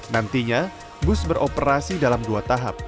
nantinya bus beroperasi dalam dua tahap